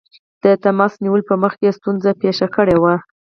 د تماس نیولو په مخ کې ستونزه پېښه کړې وه.